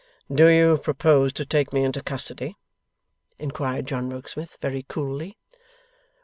'Do you propose to take me into custody?' inquired John Rokesmith, very coolly.